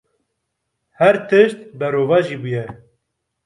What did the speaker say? Her tişt berovajî bûye.